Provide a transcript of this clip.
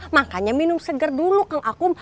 makanya minum seger dulu kang akun